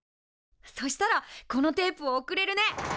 そしたらこのテープを送れるね。